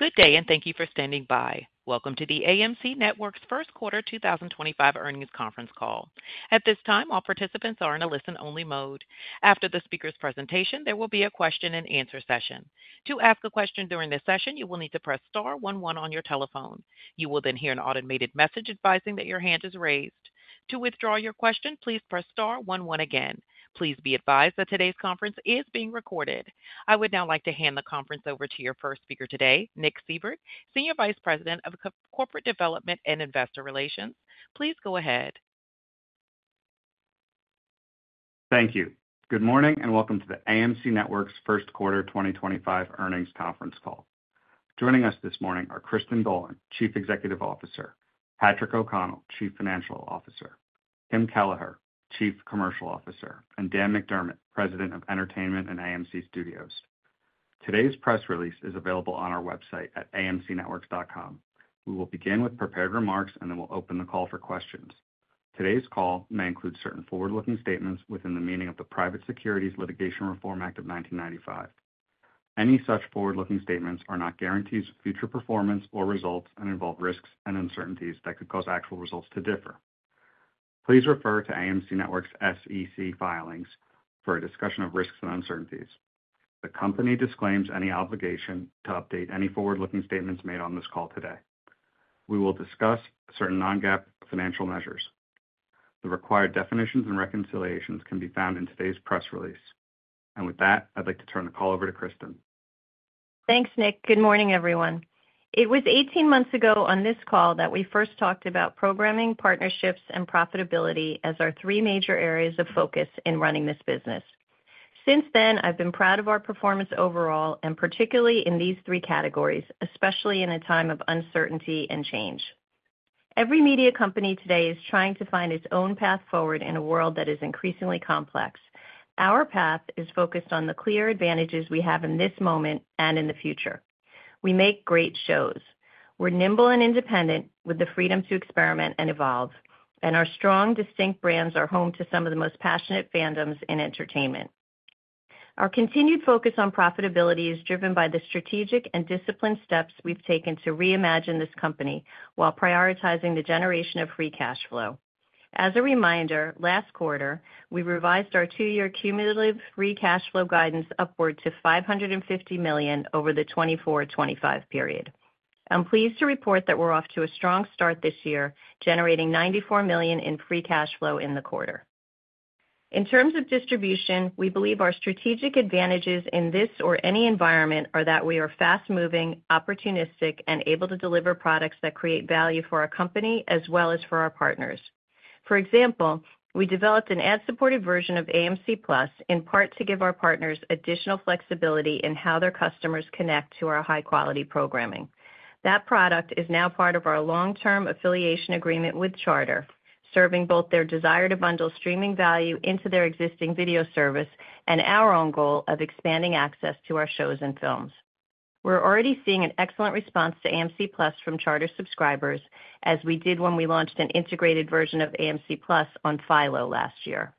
Good day, and thank you for standing by. Welcome to the AMC Networks first quarter 2025 earnings conference call. At this time, all participants are in a listen-only mode. After the speaker's presentation, there will be a question-and-answer session. To ask a question during this session, you will need to press star one one on your telephone. You will then hear an automated message advising that your hand is raised. To withdraw your question, please press star one one again. Please be advised that today's conference is being recorded. I would now like to hand the conference over to your first speaker today, Nick Seibert, Senior Vice President of Corporate Development and Investor Relations. Please go ahead. Thank you. Good morning and welcome to the AMC Networks first quarter 2025 earnings conference call. Joining us this morning are Kristin Dolan, Chief Executive Officer; Patrick O'Connell, Chief Financial Officer; Kim Kelleher, Chief Commercial Officer; and Dan McDermott, President of Entertainment and AMC Studios. Today's press release is available on our website at amcnetworks.com. We will begin with prepared remarks, and then we'll open the call for questions. Today's call may include certain forward-looking statements within the meaning of the Private Securities Litigation Reform Act of 1995. Any such forward-looking statements are not guarantees of future performance or results and involve risks and uncertainties that could cause actual results to differ. Please refer to AMC Networks' SEC filings for a discussion of risks and uncertainties. The company disclaims any obligation to update any forward-looking statements made on this call today. We will discuss certain non-GAAP financial measures. The required definitions and reconciliations can be found in today's press release. With that, I'd like to turn the call over to Kristin. Thanks, Nick. Good morning, everyone. It was 18 months ago on this call that we first talked about programming, partnerships, and profitability as our three major areas of focus in running this business. Since then, I've been proud of our performance overall, and particularly in these three categories, especially in a time of uncertainty and change. Every media company today is trying to find its own path forward in a world that is increasingly complex. Our path is focused on the clear advantages we have in this moment and in the future. We make great shows. We're nimble and independent, with the freedom to experiment and evolve. Our strong, distinct brands are home to some of the most passionate fandoms in entertainment. Our continued focus on profitability is driven by the strategic and disciplined steps we've taken to reimagine this company while prioritizing the generation of free cash flow. As a reminder, last quarter, we revised our two-year cumulative free cash flow guidance upward to $550 million over the 2024-2025 period. I'm pleased to report that we're off to a strong start this year, generating $94 million in free cash flow in the quarter. In terms of distribution, we believe our strategic advantages in this or any environment are that we are fast-moving, opportunistic, and able to deliver products that create value for our company as well as for our partners. For example, we developed an ad-supported version of AMC Plus in part to give our partners additional flexibility in how their customers connect to our high-quality programming. That product is now part of our long-term affiliation agreement with Charter, serving both their desire to bundle streaming value into their existing video service and our own goal of expanding access to our shows and films. We're already seeing an excellent response to AMC Plus from Charter subscribers, as we did when we launched an integrated version of AMC Plus on Philo last year.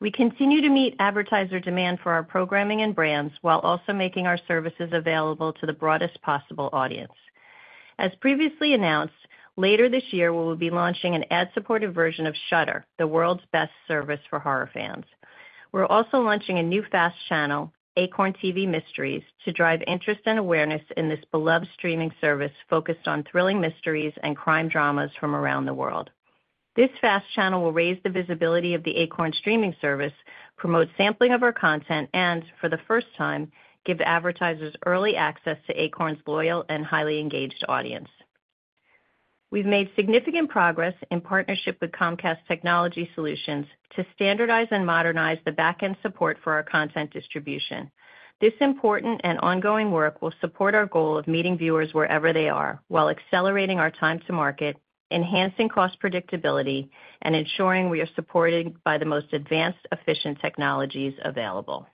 We continue to meet advertiser demand for our programming and brands while also making our services available to the broadest possible audience. As previously announced, later this year, we will be launching an ad-supported version of Shudder, the world's best service for horror fans. We're also launching a new FAST channel, Acorn TV Mysteries, to drive interest and awareness in this beloved streaming service focused on thrilling mysteries and crime dramas from around the world. This FAST channel will raise the visibility of the Acorn streaming service, promote sampling of our content, and, for the first time, give advertisers early access to Acorn's loyal and highly engaged audience. We've made significant progress in partnership with Comcast Technology Solutions to standardize and modernize the back-end support for our content distribution. This important and ongoing work will support our goal of meeting viewers wherever they are while accelerating our time to market, enhancing cost predictability, and ensuring we are supported by the most advanced, efficient technologies available.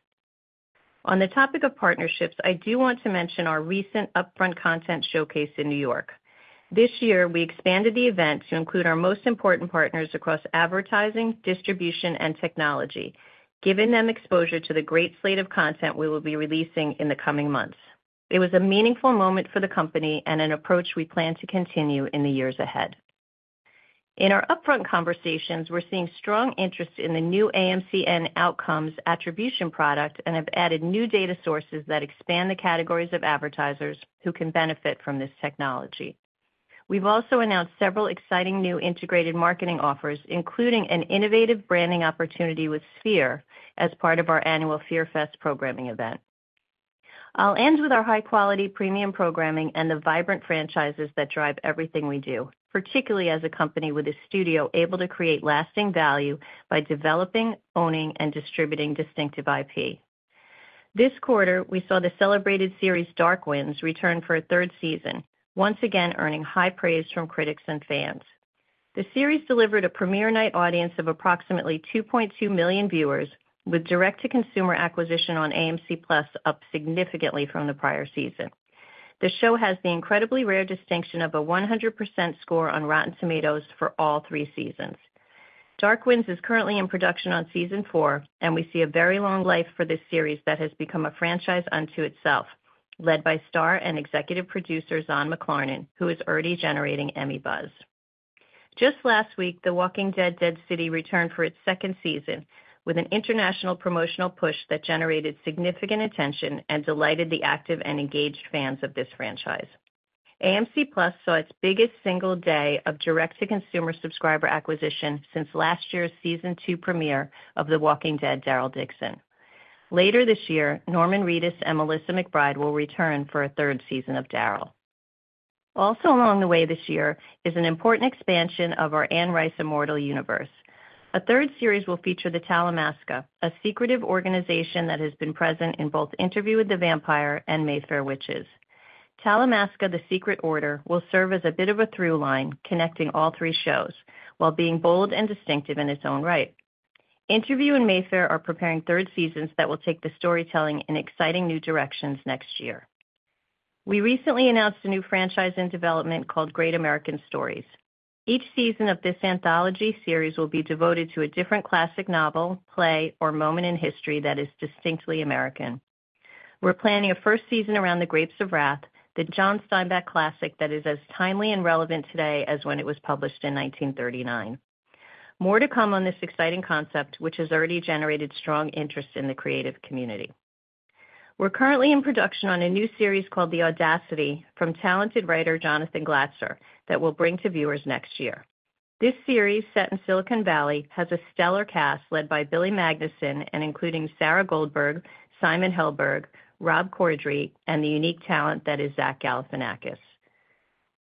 On the topic of partnerships, I do want to mention our recent Upfront Content Showcase in New York. This year, we expanded the event to include our most important partners across advertising, distribution, and technology, giving them exposure to the great slate of content we will be releasing in the coming months. It was a meaningful moment for the company and an approach we plan to continue in the years ahead. In our upfront conversations, we're seeing strong interest in the new AMCN Outcomes Attribution product and have added new data sources that expand the categories of advertisers who can benefit from this technology. We've also announced several exciting new integrated marketing offers, including an innovative branding opportunity with Sphere as part of our annual Sphere Fest programming event. I'll end with our high-quality, premium programming and the vibrant franchises that drive everything we do, particularly as a company with a studio able to create lasting value by developing, owning, and distributing distinctive IP. This quarter, we saw the celebrated series Dark Winds return for a third season, once again earning high praise from critics and fans. The series delivered a premiere night audience of approximately 2.2 million viewers, with direct-to-consumer acquisition on AMC Plus up significantly from the prior season. The show has the incredibly rare distinction of a 100% score on Rotten Tomatoes for all three seasons. Dark Winds is currently in production on season four, and we see a very long life for this series that has become a franchise unto itself, led by star and executive producer Zahn McClarnon, who is already generating Emmy buzz. Just last week, The Walking Dead: Dead City returned for its second season with an international promotional push that generated significant attention and delighted the active and engaged fans of this franchise. AMC Plus saw its biggest single day of direct-to-consumer subscriber acquisition since last year's season two premiere of The Walking Dead: Daryl Dixon. Later this year, Norman Reedus and Melissa McBride will return for a third season of Daryl. Also along the way this year is an important expansion of our Anne Rice Immortal universe. A third series will feature the Talamasca, a secretive organization that has been present in both Interview with the Vampire and Mayfair Witches. Talamasca: The Secret Order will serve as a bit of a through line connecting all three shows while being bold and distinctive in its own right. Interview and Mayfair are preparing third seasons that will take the storytelling in exciting new directions next year. We recently announced a new franchise in development called Great American Stories. Each season of this anthology series will be devoted to a different classic novel, play, or moment in history that is distinctly American. We're planning a first season around The Grapes of Wrath, the John Steinbeck classic that is as timely and relevant today as when it was published in 1939. More to come on this exciting concept, which has already generated strong interest in the creative community. We're currently in production on a new series called The Audacity from talented writer Jonathan Glatzer that we'll bring to viewers next year. This series, set in Silicon Valley, has a stellar cast led by Billy Magnuson and including Sarah Goldberg, Simon Helberg, Rob Corddry, and the unique talent that is Zach Galifianakis.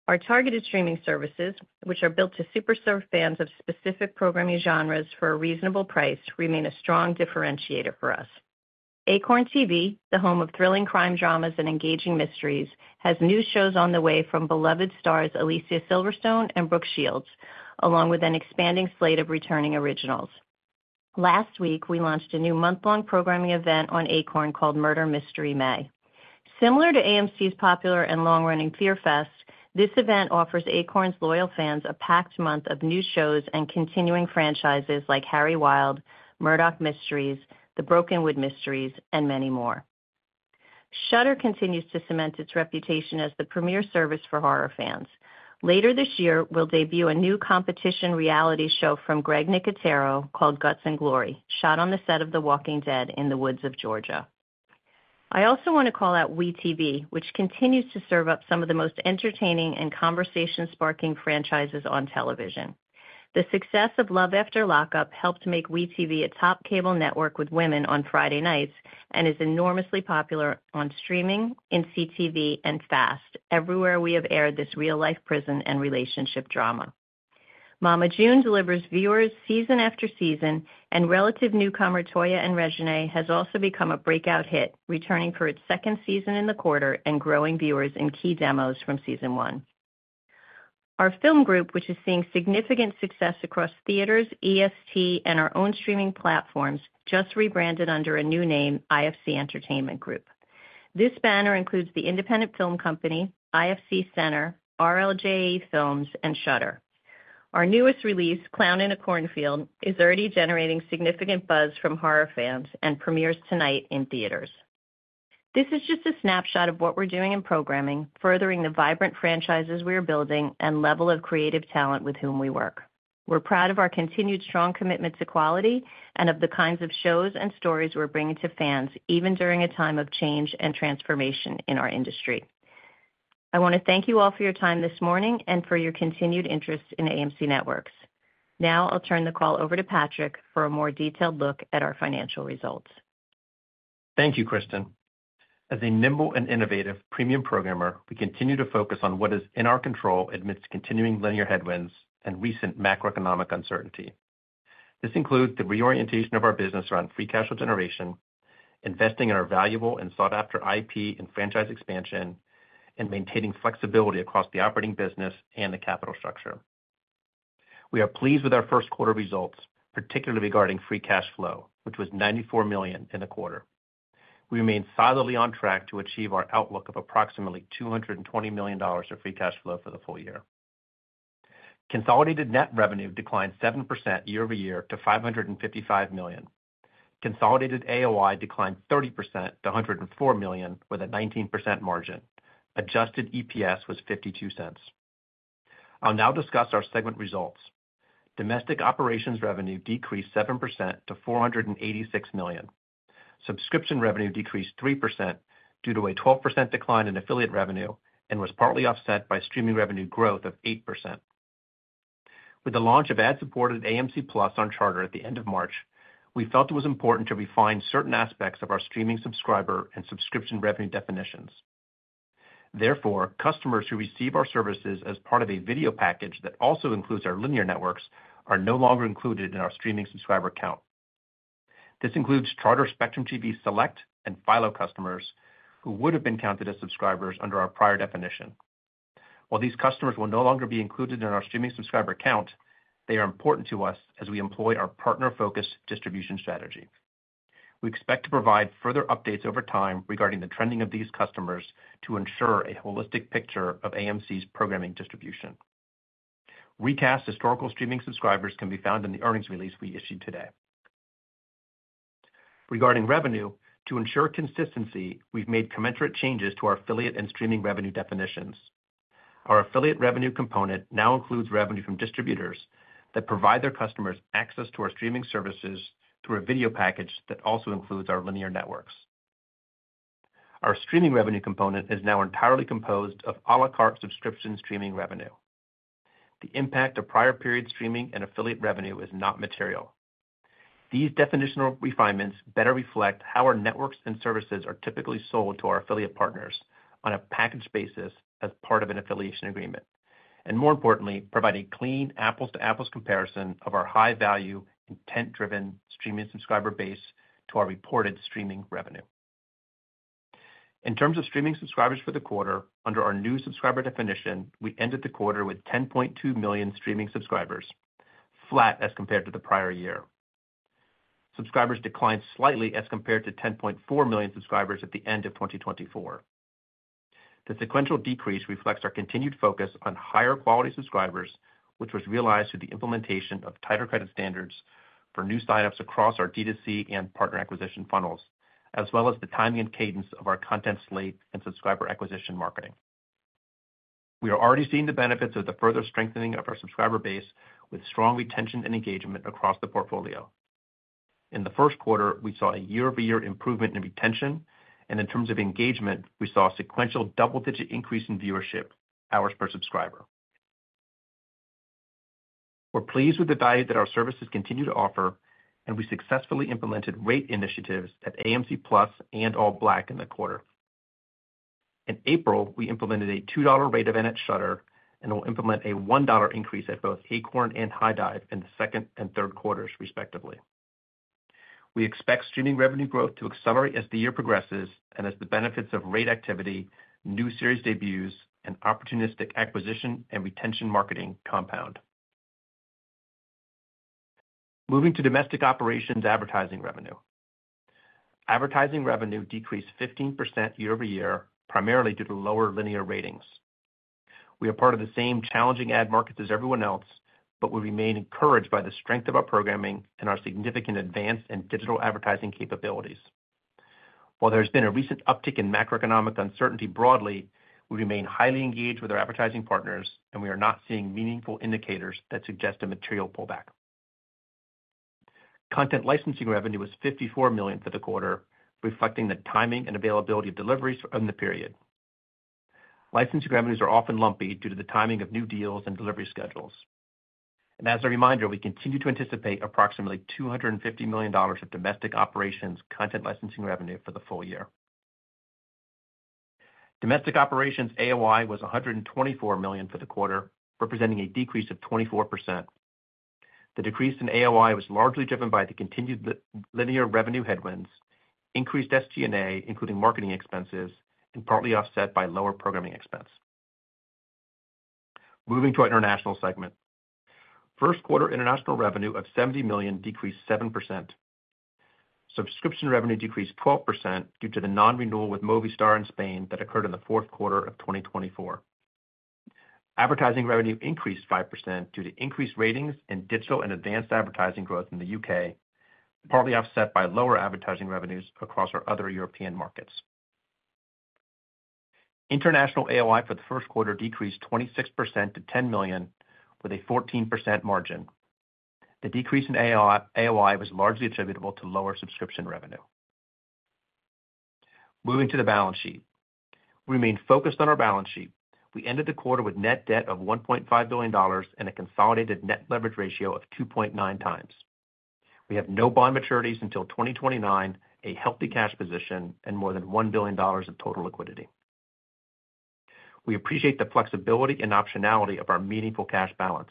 Our targeted streaming services, which are built to super serve fans of specific programming genres for a reasonable price, remain a strong differentiator for us. Acorn TV, the home of thrilling crime dramas and engaging mysteries, has new shows on the way from beloved stars Alicia Silverstone and Brooke Shields, along with an expanding slate of returning originals. Last week, we launched a new month-long programming event on Acorn called Murder Mystery May. Similar to AMC's popular and long-running Sphere Fest, this event offers Acorn's loyal fans a packed month of new shows and continuing franchises like Harry Wild, Murdoch Mysteries, The Brokenwood Mysteries, and many more. Shudder continues to cement its reputation as the premier service for horror fans. Later this year, we'll debut a new competition reality show from Greg Nicotero called Guts and Glory, shot on the set of The Walking Dead in the woods of Georgia. I also want to call out WeTV, which continues to serve up some of the most entertaining and conversation-sparking franchises on television. The success of Love After Lockup helped make WeTV a top cable network with women on Friday nights and is enormously popular on streaming, in CTV, and FAST, everywhere we have aired this real-life prison and relationship drama. Mama June delivers viewers season after season, and relative newcomer Toya and Reginae has also become a breakout hit, returning for its second season in the quarter and growing viewers in key demos from season one. Our film group, which is seeing significant success across theaters, EST, and our own streaming platforms, just rebranded under a new name, IFC Entertainment Group. This banner includes the independent film company, IFC Center, RLJA Films, and Shudder. Our newest release, Clown in a Cornfield, is already generating significant buzz from horror fans and premieres tonight in theaters. This is just a snapshot of what we're doing in programming, furthering the vibrant franchises we are building and the level of creative talent with whom we work. We're proud of our continued strong commitment to quality and of the kinds of shows and stories we're bringing to fans, even during a time of change and transformation in our industry. I want to thank you all for your time this morning and for your continued interest in AMC Networks. Now I'll turn the call over to Patrick for a more detailed look at our financial results. Thank you, Kristin. As a nimble and innovative premium programmer, we continue to focus on what is in our control amidst continuing linear headwinds and recent macroeconomic uncertainty. This includes the reorientation of our business around free cash flow generation, investing in our valuable and sought-after IP and franchise expansion, and maintaining flexibility across the operating business and the capital structure. We are pleased with our first quarter results, particularly regarding free cash flow, which was $94 million in the quarter. We remain solidly on track to achieve our outlook of approximately $220 million of free cash flow for the full year. Consolidated net revenue declined 7% year over year to $555 million. Consolidated AOI declined 30% to $104 million with a 19% margin. Adjusted EPS was $0.52. I'll now discuss our segment results. Domestic operations revenue decreased 7% to $486 million. Subscription revenue decreased 3% due to a 12% decline in affiliate revenue and was partly offset by streaming revenue growth of 8%. With the launch of ad-supported AMC Plus on Charter at the end of March, we felt it was important to refine certain aspects of our streaming subscriber and subscription revenue definitions. Therefore, customers who receive our services as part of a video package that also includes our linear networks are no longer included in our streaming subscriber count. This includes Charter Spectrum TV Select and Philo customers who would have been counted as subscribers under our prior definition. While these customers will no longer be included in our streaming subscriber count, they are important to us as we employ our partner-focused distribution strategy. We expect to provide further updates over time regarding the trending of these customers to ensure a holistic picture of AMC's programming distribution. Recast historical streaming subscribers can be found in the earnings release we issued today. Regarding revenue, to ensure consistency, we've made commensurate changes to our affiliate and streaming revenue definitions. Our affiliate revenue component now includes revenue from distributors that provide their customers access to our streaming services through a video package that also includes our linear networks. Our streaming revenue component is now entirely composed of à la carte subscription streaming revenue. The impact of prior period streaming and affiliate revenue is not material. These definitional refinements better reflect how our networks and services are typically sold to our affiliate partners on a package basis as part of an affiliation agreement, and more importantly, provide a clean apples-to-apples comparison of our high-value, intent-driven streaming subscriber base to our reported streaming revenue. In terms of streaming subscribers for the quarter, under our new subscriber definition, we ended the quarter with 10.2 million streaming subscribers, flat as compared to the prior year. Subscribers declined slightly as compared to 10.4 million subscribers at the end of 2024. The sequential decrease reflects our continued focus on higher quality subscribers, which was realized through the implementation of tighter credit standards for new sign-ups across our DTC and partner acquisition funnels, as well as the timing and cadence of our content slate and subscriber acquisition marketing. We are already seeing the benefits of the further strengthening of our subscriber base with strong retention and engagement across the portfolio. In the first quarter, we saw a year-over-year improvement in retention, and in terms of engagement, we saw a sequential double-digit increase in viewership, hours per subscriber. We're pleased with the value that our services continue to offer, and we successfully implemented rate initiatives at AMC Plus and All Black in the quarter. In April, we implemented a $2 rate increase at Shudder, and we'll implement a $1 increase at both Acorn and High Dive in the second and third quarters, respectively. We expect streaming revenue growth to accelerate as the year progresses and as the benefits of rate activity, new series debuts, and opportunistic acquisition and retention marketing compound. Moving to domestic operations advertising revenue. Advertising revenue decreased 15% year over year, primarily due to lower linear ratings. We are part of the same challenging ad markets as everyone else, but we remain encouraged by the strength of our programming and our significant advance in digital advertising capabilities. While there has been a recent uptick in macroeconomic uncertainty broadly, we remain highly engaged with our advertising partners, and we are not seeing meaningful indicators that suggest a material pullback. Content licensing revenue was $54 million for the quarter, reflecting the timing and availability of deliveries in the period. Licensing revenues are often lumpy due to the timing of new deals and delivery schedules. As a reminder, we continue to anticipate approximately $250 million of domestic operations content licensing revenue for the full year. Domestic operations AOI was $124 million for the quarter, representing a decrease of 24%. The decrease in AOI was largely driven by the continued linear revenue headwinds, increased SG&A, including marketing expenses, and partly offset by lower programming expense. Moving to our international segment. First quarter international revenue of $70 million decreased 7%. Subscription revenue decreased 12% due to the non-renewal with Movistar in Spain that occurred in the fourth quarter of 2024. Advertising revenue increased 5% due to increased ratings and digital and advanced advertising growth in the U.K., partly offset by lower advertising revenues across our other European markets. International AOI for the first quarter decreased 26% to $10 million, with a 14% margin. The decrease in AOI was largely attributable to lower subscription revenue. Moving to the balance sheet. We remain focused on our balance sheet. We ended the quarter with net debt of $1.5 billion and a consolidated net leverage ratio of 2.9 times. We have no bond maturities until 2029, a healthy cash position, and more than $1 billion of total liquidity. We appreciate the flexibility and optionality of our meaningful cash balance.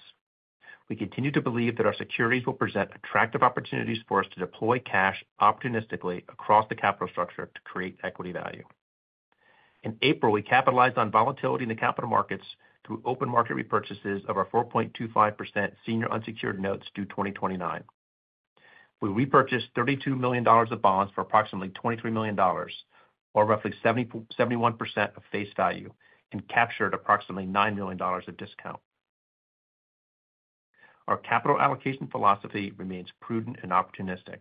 We continue to believe that our securities will present attractive opportunities for us to deploy cash opportunistically across the capital structure to create equity value. In April, we capitalized on volatility in the capital markets through open market repurchases of our 4.25% senior unsecured notes due 2029. We repurchased $32 million of bonds for approximately $23 million, or roughly 71% of face value, and captured approximately $9 million of discount. Our capital allocation philosophy remains prudent and opportunistic.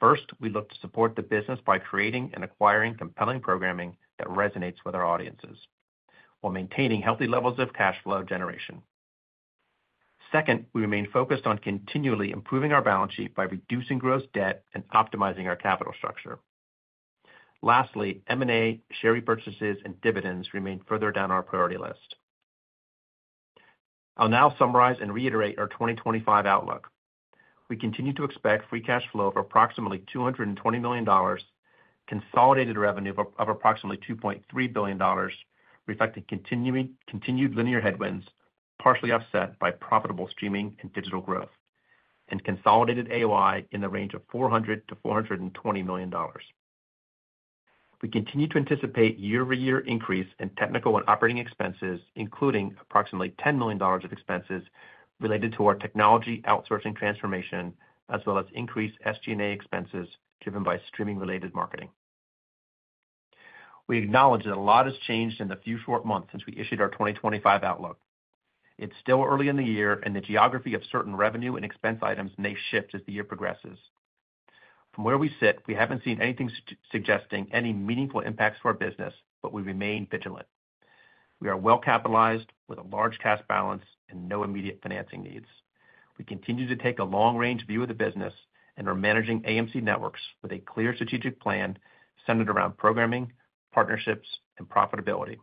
First, we look to support the business by creating and acquiring compelling programming that resonates with our audiences while maintaining healthy levels of cash flow generation. Second, we remain focused on continually improving our balance sheet by reducing gross debt and optimizing our capital structure. Lastly, M&A, share repurchases, and dividends remain further down our priority list. I'll now summarize and reiterate our 2025 outlook. We continue to expect free cash flow of approximately $220 million, consolidated revenue of approximately $2.3 billion, reflecting continued linear headwinds, partially offset by profitable streaming and digital growth, and consolidated AOI in the range of $400-$420 million. We continue to anticipate year-over-year increase in technical and operating expenses, including approximately $10 million of expenses related to our technology outsourcing transformation, as well as increased SG&A expenses driven by streaming-related marketing. We acknowledge that a lot has changed in the few short months since we issued our 2025 outlook. It's still early in the year, and the geography of certain revenue and expense items may shift as the year progresses. From where we sit, we haven't seen anything suggesting any meaningful impacts for our business, but we remain vigilant. We are well-capitalized with a large cash balance and no immediate financing needs. We continue to take a long-range view of the business and are managing AMC Networks with a clear strategic plan centered around programming, partnerships, and profitability.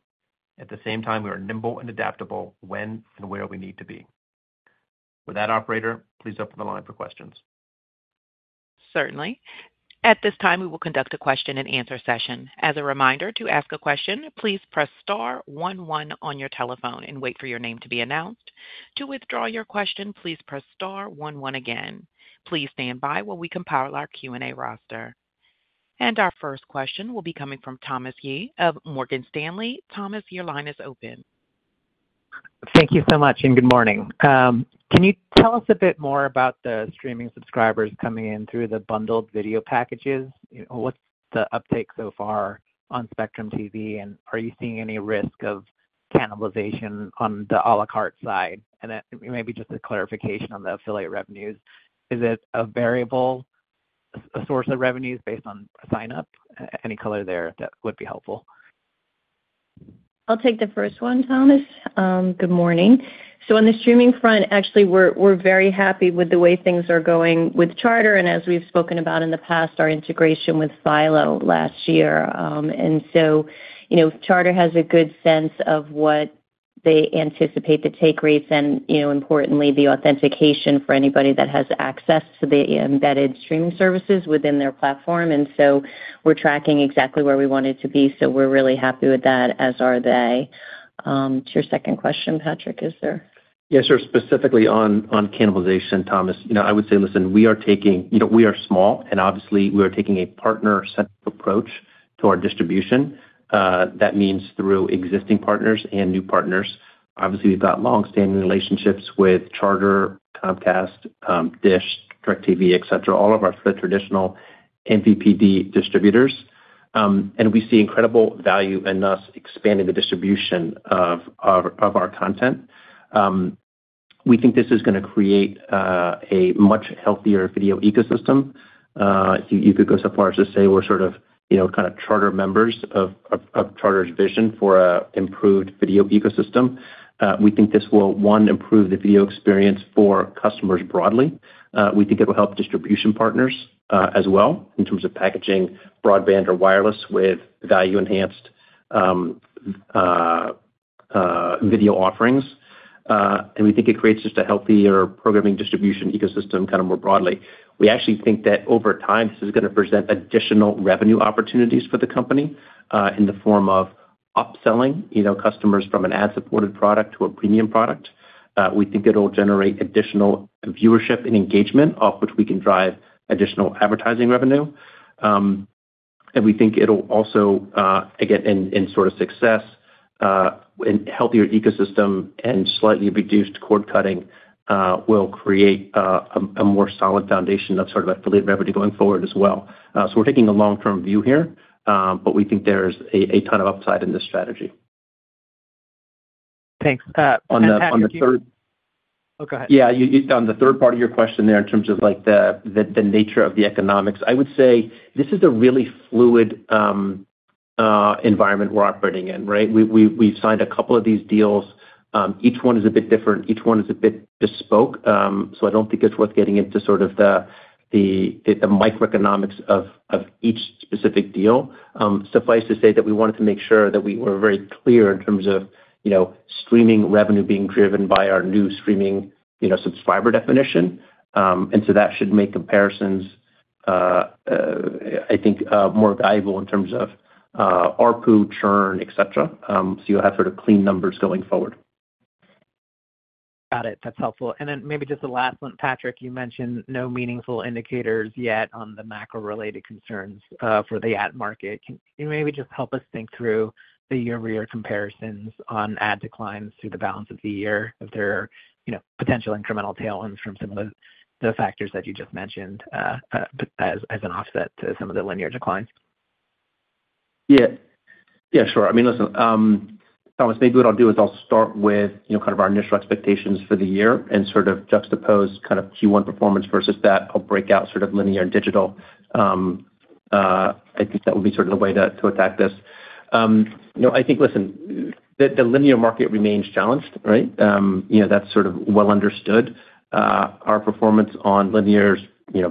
At the same time, we are nimble and adaptable when and where we need to be. With that, Operator, please open the line for questions. Certainly. At this time, we will conduct a question-and-answer session. As a reminder, to ask a question, please press star one one on your telephone and wait for your name to be announced. To withdraw your question, please press star one one again. Please stand by while we compile our Q&A roster. Our first question will be coming from Thomas Yeh of Morgan Stanley. Thomas, your line is open. Thank you so much, and good morning. Can you tell us a bit more about the streaming subscribers coming in through the bundled video packages? What's the uptake so far on Spectrum TV, and are you seeing any risk of cannibalization on the à la carte side? Maybe just a clarification on the affiliate revenues. Is it a variable source of revenues based on sign-up? Any color there that would be helpful. I'll take the first one, Thomas. Good morning. On the streaming front, actually, we're very happy with the way things are going with Charter, and as we've spoken about in the past, our integration with Philo last year. Charter has a good sense of what they anticipate the take rates and, importantly, the authentication for anybody that has access to the embedded streaming services within their platform. We're tracking exactly where we wanted to be. We're really happy with that, as are they. To your second question, Patrick, is there? Yes, sir. Specifically on cannibalization, Thomas, I would say, listen, we are taking—we are small, and obviously, we are taking a partner-centric approach to our distribution. That means through existing partners and new partners. Obviously, we've got long-standing relationships with Charter, Comcast, Dish, DirectTV, etc., all of our traditional MVPD distributors. We see incredible value in us expanding the distribution of our content. We think this is going to create a much healthier video ecosystem. You could go so far as to say we're sort of kind of Charter members of Charter's vision for an improved video ecosystem. We think this will, one, improve the video experience for customers broadly. We think it will help distribution partners as well in terms of packaging broadband or wireless with value-enhanced video offerings. We think it creates just a healthier programming distribution ecosystem kind of more broadly. We actually think that over time, this is going to present additional revenue opportunities for the company in the form of upselling customers from an ad-supported product to a premium product. We think it'll generate additional viewership and engagement, off which we can drive additional advertising revenue. We think it'll also, again, in sort of success, a healthier ecosystem and slightly reduced cord cutting will create a more solid foundation of sort of affiliate revenue going forward as well. We are taking a long-term view here, but we think there's a ton of upside in this strategy. Thanks. On the third. Oh, go ahead. Yeah, on the third part of your question there in terms of the nature of the economics, I would say this is a really fluid environment we're operating in, right? We've signed a couple of these deals. Each one is a bit different. Each one is a bit bespoke. I don't think it's worth getting into sort of the microeconomics of each specific deal. Suffice to say that we wanted to make sure that we were very clear in terms of streaming revenue being driven by our new streaming subscriber definition. That should make comparisons, I think, more valuable in terms of ARPU, churn, etc. You'll have sort of clean numbers going forward. Got it. That's helpful. Maybe just the last one, Patrick, you mentioned no meaningful indicators yet on the macro-related concerns for the ad market. Can you maybe just help us think through the year-over-year comparisons on ad declines through the balance of the year if there are potential incremental tailwinds from some of the factors that you just mentioned as an offset to some of the linear declines? Yeah. Yeah, sure. I mean, listen, Thomas, maybe what I'll do is I'll start with kind of our initial expectations for the year and sort of juxtapose kind of Q1 performance versus that. I'll break out sort of linear and digital. I think that would be sort of the way to attack this. I think, listen, the linear market remains challenged, right? That's sort of well understood. Our performance on linear is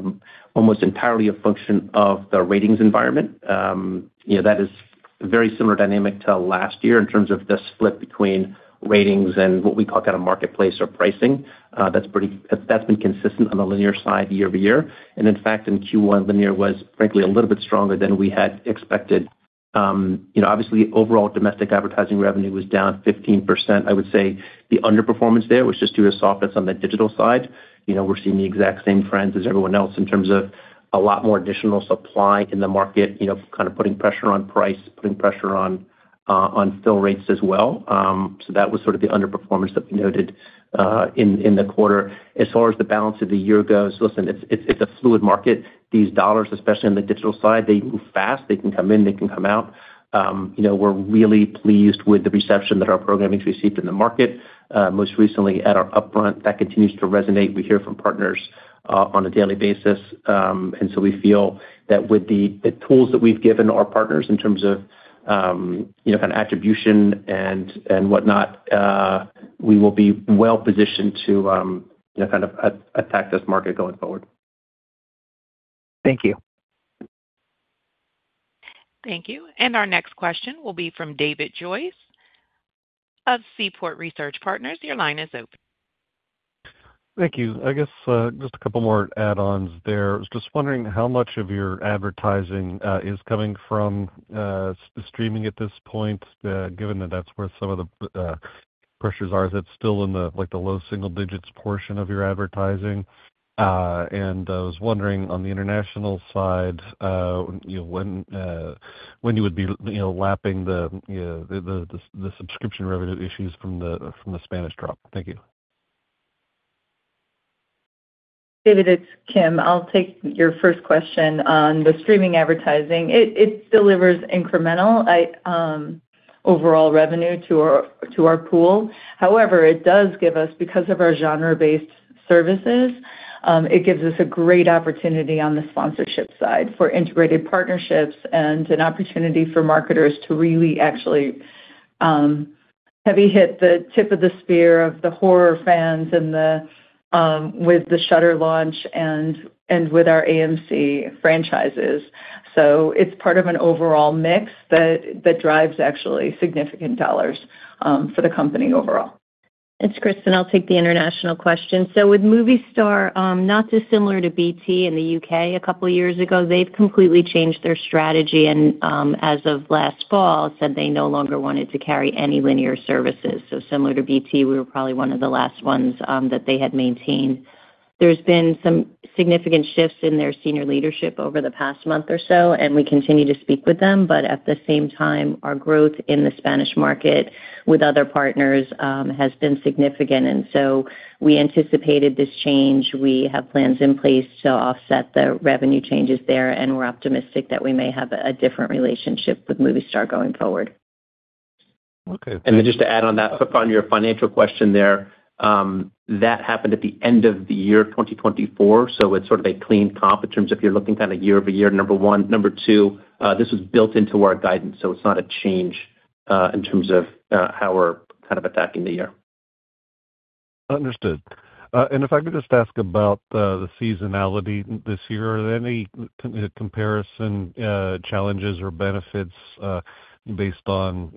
almost entirely a function of the ratings environment. That is a very similar dynamic to last year in terms of the split between ratings and what we call kind of marketplace or pricing. That's been consistent on the linear side year-over-year. In fact, in Q1, linear was, frankly, a little bit stronger than we had expected. Obviously, overall domestic advertising revenue was down 15%. I would say the underperformance there was just due to softness on the digital side. We're seeing the exact same trends as everyone else in terms of a lot more additional supply in the market, kind of putting pressure on price, putting pressure on fill rates as well. That was sort of the underperformance that we noted in the quarter. As far as the balance of the year goes, listen, it's a fluid market. These dollars, especially on the digital side, they move fast. They can come in. They can come out. We're really pleased with the reception that our programming's received in the market. Most recently, at our upfront, that continues to resonate. We hear from partners on a daily basis. We feel that with the tools that we have given our partners in terms of kind of attribution and whatnot, we will be well positioned to kind of attack this market going forward. Thank you. Thank you. Our next question will be from David Joyce of Seaport Research Partners. Your line is open. Thank you. I guess just a couple more add-ons there. I was just wondering how much of your advertising is coming from streaming at this point, given that that's where some of the pressures are. Is it still in the low single digits portion of your advertising? I was wondering on the international side when you would be lapping the subscription revenue issues from the Spanish drop. Thank you. David, it's Kim. I'll take your first question on the streaming advertising. It delivers incremental overall revenue to our pool. However, it does give us, because of our genre-based services, it gives us a great opportunity on the sponsorship side for integrated partnerships and an opportunity for marketers to really actually heavy hit the tip of the spear of the horror fans with the Shudder launch and with our AMC franchises. It is part of an overall mix that drives actually significant dollars for the company overall. It's Kristin. I'll take the international question. With Movistar, not dissimilar to BT in the U.K. a couple of years ago, they've completely changed their strategy. As of last fall, they said they no longer wanted to carry any linear services. Similar to BT, we were probably one of the last ones that they had maintained. There have been some significant shifts in their senior leadership over the past month or so, and we continue to speak with them. At the same time, our growth in the Spanish market with other partners has been significant. We anticipated this change. We have plans in place to offset the revenue changes there, and we're optimistic that we may have a different relationship with Movistar going forward. Okay. And then just to add on that, on your financial question there, that happened at the end of the year 2024. It is sort of a clean comp in terms of if you're looking kind of year-over-year, number one. Number two, this was built into our guidance, so it's not a change in terms of how we're kind of attacking the year. Understood. If I could just ask about the seasonality this year, are there any comparison challenges or benefits based on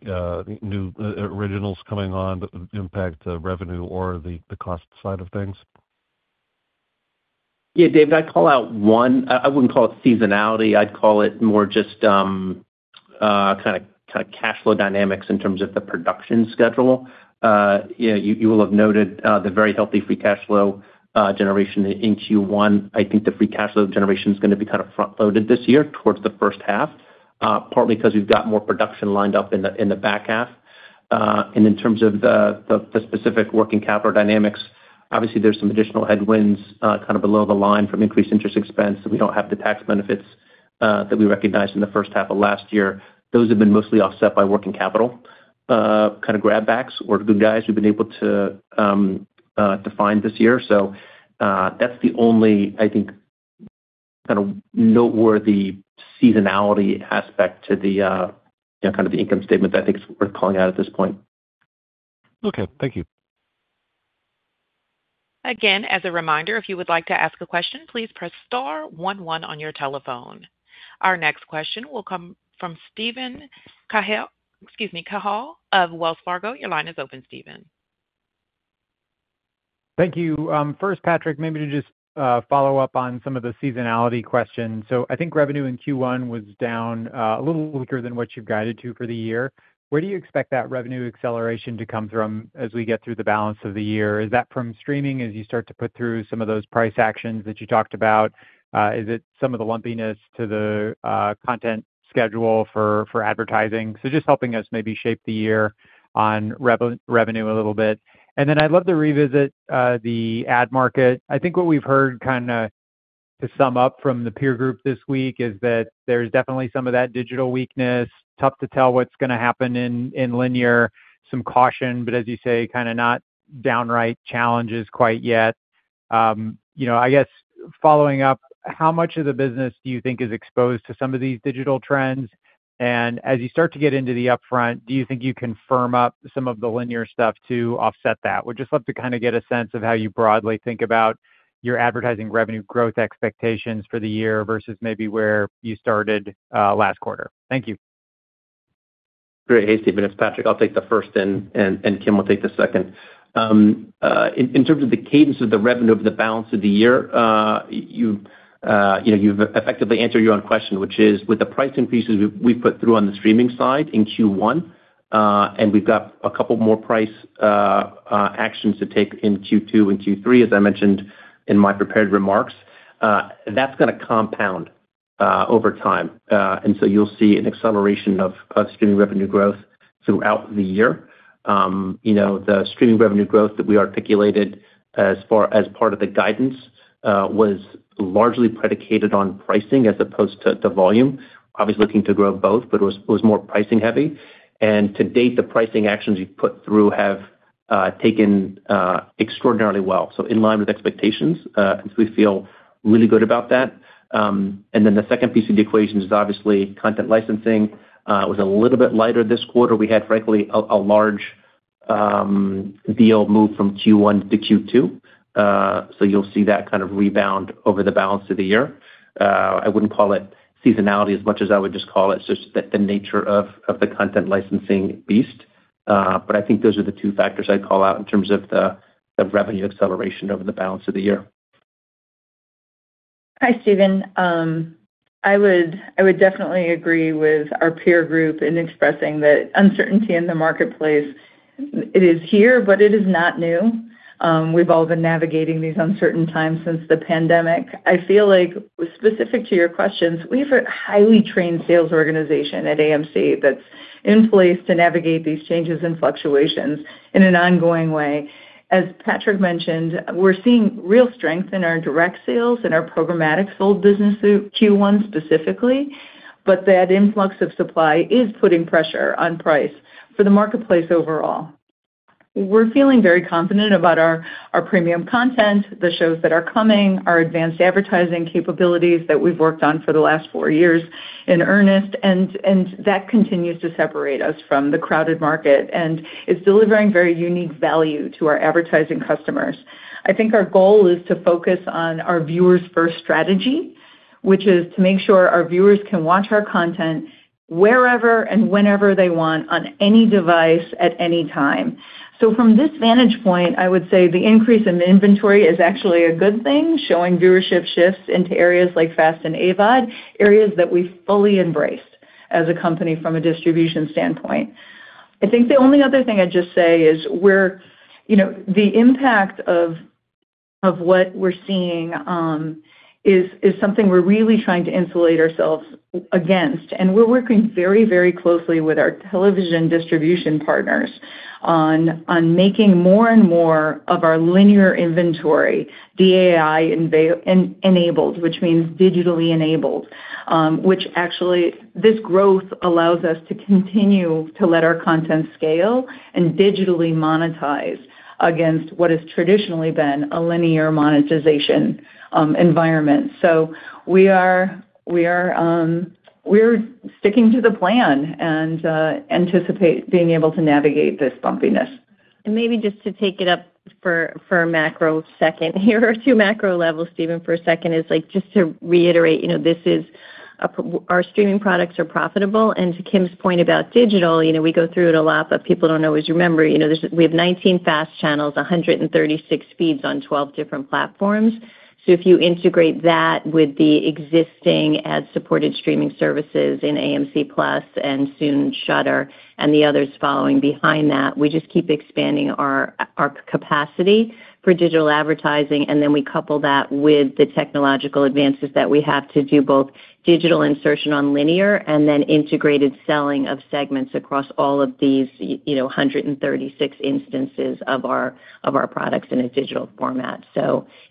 new originals coming on that impact the revenue or the cost side of things? Yeah, David, I'd call out one—I wouldn't call it seasonality. I'd call it more just kind of cash flow dynamics in terms of the production schedule. You will have noted the very healthy free cash flow generation in Q1. I think the free cash flow generation is going to be kind of front-loaded this year towards the first half, partly because we've got more production lined up in the back half. In terms of the specific working capital dynamics, obviously, there's some additional headwinds kind of below the line from increased interest expense. We don't have the tax benefits that we recognized in the first half of last year. Those have been mostly offset by working capital kind of grabbacks or good guys we've been able to find this year. That's the only, I think, kind of noteworthy seasonality aspect to the kind of the income statement that I think we're calling out at this point. Okay. Thank you. Again, as a reminder, if you would like to ask a question, please press star one one on your telephone. Our next question will come from Steven Cahall of Wells Fargo. Your line is open, Steven. Thank you. First, Patrick, maybe to just follow up on some of the seasonality questions. I think revenue in Q1 was down a little weaker than what you've guided to for the year. Where do you expect that revenue acceleration to come from as we get through the balance of the year? Is that from streaming as you start to put through some of those price actions that you talked about? Is it some of the lumpiness to the content schedule for advertising? Just helping us maybe shape the year on revenue a little bit. I'd love to revisit the ad market. I think what we've heard kind of to sum up from the peer group this week is that there's definitely some of that digital weakness. Tough to tell what's going to happen in linear. Some caution, but as you say, kind of not downright challenges quite yet. I guess following up, how much of the business do you think is exposed to some of these digital trends? As you start to get into the upfront, do you think you can firm up some of the linear stuff to offset that? Would just love to kind of get a sense of how you broadly think about your advertising revenue growth expectations for the year versus maybe where you started last quarter. Thank you. Great. Hey, Steven. It's Patrick. I'll take the first, and Kim will take the second. In terms of the cadence of the revenue of the balance of the year, you've effectively answered your own question, which is with the price increases we've put through on the streaming side in Q1, and we've got a couple more price actions to take in Q2 and Q3, as I mentioned in my prepared remarks. That's going to compound over time. You will see an acceleration of streaming revenue growth throughout the year. The streaming revenue growth that we articulated as part of the guidance was largely predicated on pricing as opposed to volume. Obviously, looking to grow both, but it was more pricing-heavy. To date, the pricing actions we've put through have taken extraordinarily well, in line with expectations. We feel really good about that. The second piece of the equation is obviously content licensing. It was a little bit lighter this quarter. We had, frankly, a large deal move from Q1 to Q2. You will see that kind of rebound over the balance of the year. I would not call it seasonality as much as I would just call it just the nature of the content licensing beast. I think those are the two factors I would call out in terms of the revenue acceleration over the balance of the year. Hi, Steven. I would definitely agree with our peer group in expressing that uncertainty in the marketplace, it is here, but it is not new. We've all been navigating these uncertain times since the pandemic. I feel like, specific to your questions, we have a highly trained sales organization at AMC that's in place to navigate these changes and fluctuations in an ongoing way. As Patrick mentioned, we're seeing real strength in our direct sales and our programmatic sold business through Q1 specifically, but that influx of supply is putting pressure on price for the marketplace overall. We're feeling very confident about our premium content, the shows that are coming, our advanced advertising capabilities that we've worked on for the last four years in earnest, and that continues to separate us from the crowded market and is delivering very unique value to our advertising customers. I think our goal is to focus on our viewers-first strategy, which is to make sure our viewers can watch our content wherever and whenever they want on any device at any time. From this vantage point, I would say the increase in inventory is actually a good thing, showing viewership shifts into areas like FAST and AVOD, areas that we fully embraced as a company from a distribution standpoint. I think the only other thing I'd just say is the impact of what we're seeing is something we're really trying to insulate ourselves against. We're working very, very closely with our television distribution partners on making more and more of our linear inventory DAI-enabled, which means digitally enabled, which actually this growth allows us to continue to let our content scale and digitally monetize against what has traditionally been a linear monetization environment. We are sticking to the plan and anticipate being able to navigate this bumpiness. Maybe just to take it up for a macro second here or two macro levels, Steven, for a second, just to reiterate, this is our streaming products are profitable. To Kim's point about digital, we go through it a lot, but people do not always remember. We have 19 FAST channels, 136 feeds on 12 different platforms. If you integrate that with the existing ad-supported streaming services in AMC Plus and soon Shudder and the others following behind that, we just keep expanding our capacity for digital advertising. We couple that with the technological advances that we have to do both digital insertion on linear and then integrated selling of segments across all of these 136 instances of our products in a digital format.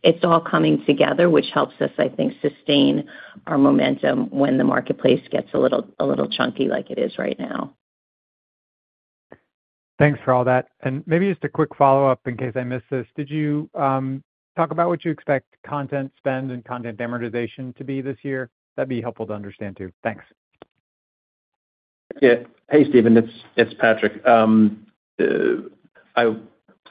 It's all coming together, which helps us, I think, sustain our momentum when the marketplace gets a little chunky like it is right now. Thanks for all that. Maybe just a quick follow-up in case I missed this. Did you talk about what you expect content spend and content amortization to be this year? That'd be helpful to understand too. Thanks. Yeah. Hey, Steven. It's Patrick. I'll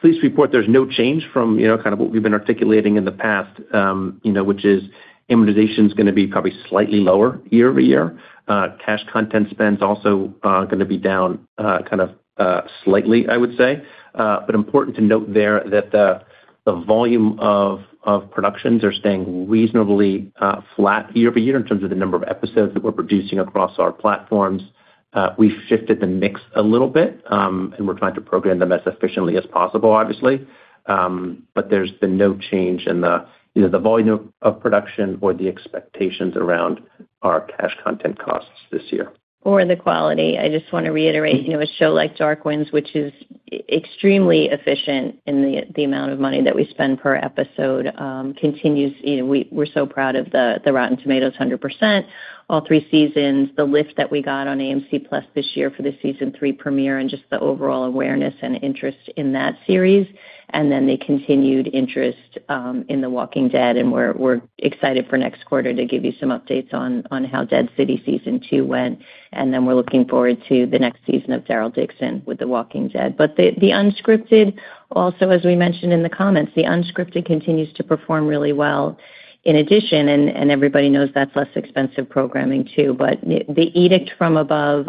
please report there's no change from kind of what we've been articulating in the past, which is amortization is going to be probably slightly lower year over year. Cash content spend is also going to be down kind of slightly, I would say. Important to note there that the volume of productions are staying reasonably flat year over year in terms of the number of episodes that we're producing across our platforms. We've shifted the mix a little bit, and we're trying to program them as efficiently as possible, obviously. There's been no change in the volume of production or the expectations around our cash content costs this year. For the quality. I just want to reiterate, a show like Dark Winds, which is extremely efficient in the amount of money that we spend per episode, continues—we're so proud of the Rotten Tomatoes 100%, all three seasons, the lift that we got on AMC Plus this year for the season three premiere, and just the overall awareness and interest in that series. The continued interest in The Walking Dead. We're excited for next quarter to give you some updates on how Dead City season two went. We're looking forward to the next season of Daryl Dixon with The Walking Dead. The unscripted, also, as we mentioned in the comments, the unscripted continues to perform really well in addition. Everybody knows that's less expensive programming too. The edict from above,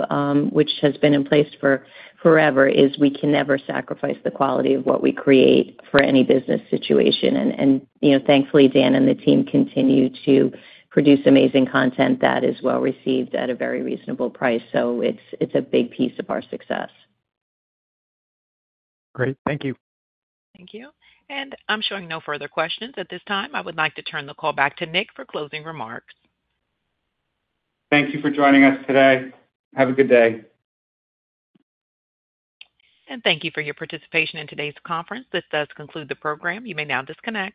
which has been in place for forever, is we can never sacrifice the quality of what we create for any business situation. Thankfully, Dan and the team continue to produce amazing content that is well received at a very reasonable price. It is a big piece of our success. Great. Thank you. Thank you. I am showing no further questions at this time. I would like to turn the call back to Nick for closing remarks. Thank you for joining us today. Have a good day. Thank you for your participation in today's conference. This does conclude the program. You may now disconnect.